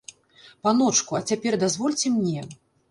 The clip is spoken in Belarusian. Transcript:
Паночку, а цяпер дазвольце мне?